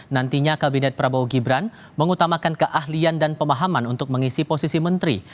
nantinya kabinet prabowo gibran mengutamakan keahlian dan pemahaman untuk mengisi posisi menteri